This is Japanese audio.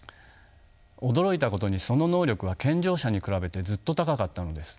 驚いたことにその能力は健常者に比べてずっと高かったのです。